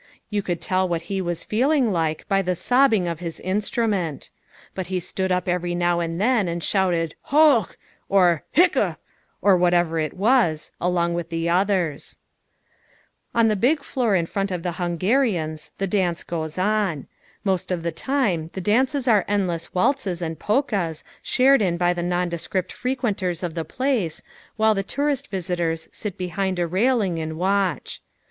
You could tell what he was feeling like by the sobbing of his instrument. But he stood up every now and then and yelled "Hoch!" or "Hiccough!" or whatever it was along with the others. On the big floor in front of the Hungarians the dance goes on. Most of the time the dances are endless waltzes and polkas shared in by the nondescript frequenters of the place, while the tourist visitors sit behind a railing and watch.